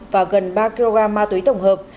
và gần ba kg ma túy tổng hợp